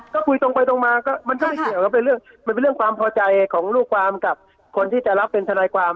ก็คุยตรงไปตรงมาก็มันก็ไม่เกี่ยวครับเป็นเรื่องมันเป็นเรื่องความพอใจของลูกความกับคนที่จะรับเป็นทนายความ